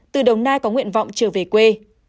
từ đồng nai có nguyện vọng trở về quê